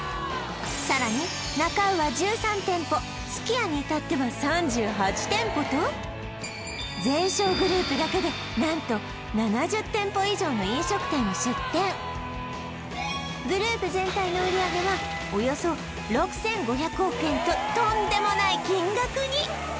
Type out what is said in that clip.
さらになか卯は１３店舗すき家に至っては３８店舗とゼンショーグループだけで何と７０店舗以上の飲食店を出店グループ全体の売上はおよそ６５００億円ととんでもない金額に！